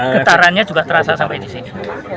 getarannya juga terasa sampai di sini